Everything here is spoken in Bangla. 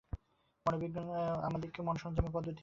মনোবিজ্ঞান আমাদিগকে মনঃসংযমের পদ্ধতি শিক্ষা দেয়।